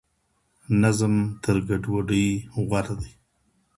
نظم تر ګډوډۍ غوره دی.